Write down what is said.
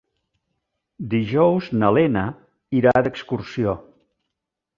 Dijous na Lena irà d'excursió.